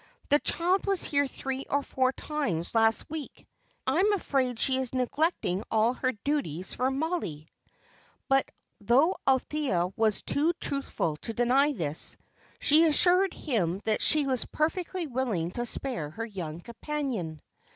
The child was here three or four times last week. I am afraid she is neglecting all her duties for Mollie." But though Althea was too truthful to deny this, she assured him that she was perfectly willing to spare her young companion.